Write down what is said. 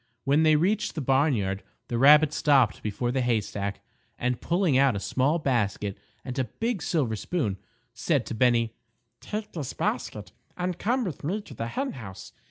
When they reached the barnyard the rabbit stopped before the haystack, and pulling out a small basket and a big silver spoon, said to Bennie: "Take this basket and come with me to the hen house.